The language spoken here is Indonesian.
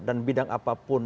dan bidang apapun